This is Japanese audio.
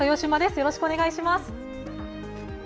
よろしくお願いします。